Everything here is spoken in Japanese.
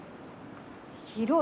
広い。